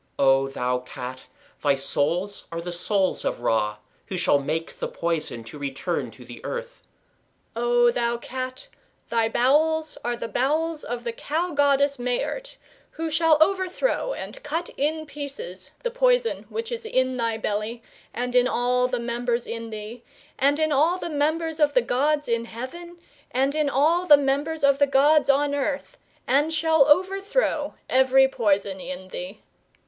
O thou Cat, thy soles are the soles of Ra, who shall make the poison to return to the earth. O thou Cat, thy bowels are the bowels of the Cow goddess Meh urt, who shall overthrow and cut in pieces the poison which is in thy belly and in all the members in thee, and in [all] the members of the gods in heaven, and in [all] the members of the gods on earth, and shall overthrow every poison in thee.